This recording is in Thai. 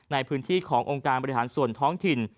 ในพื้นที่ขององค์การบริหารส่วนท้องถิ่น